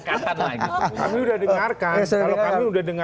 kami sudah dengarkan